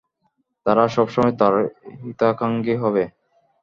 তারা সব সময়ই তার হিতাকাঙ্খী হবে।